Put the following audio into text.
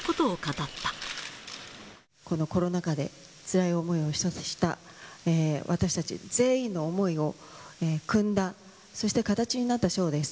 このコロナ禍で、つらい思いをした私たち全員の思いをくんだ、そして形になったショーです。